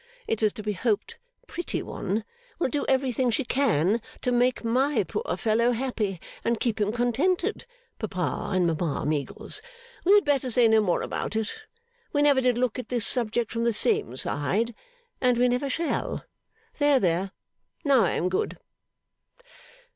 It is to be hoped Pretty One will do everything she can to make my poor fellow happy, and keep him contented. Papa and Mama Meagles, we had better say no more about it. We never did look at this subject from the same side, and we never shall. There, there! Now I am good.